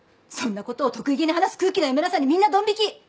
そんなことを得意げに話す空気の読めなさにみんなどん引き。